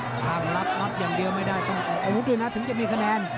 ทั้งรับรับอย่างเดียวไม่ได้โอ้โหเดี๋ยวนั้นถึงจะมีขนาด